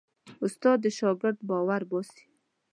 استاد د شاګرد باور باسي.